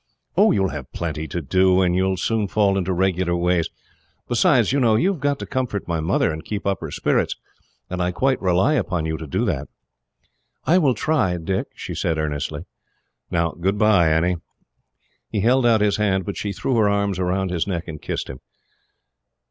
"Oh, you will have plenty to do, and you will soon fall into regular ways. Besides, you know, you have got to comfort my mother, and keep up her spirits, and I quite rely upon you to do that." "I will try, Dick," she said earnestly. "Now, goodbye, Annie." He held out his hand, but she threw her arms round his neck, and kissed him.